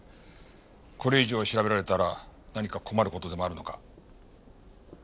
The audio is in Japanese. これ以上調べられたら何か困る事でもあるのか？